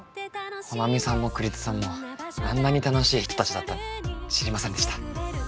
穂波さんも栗津さんもあんなに楽しい人たちだったなんて知りませんでした。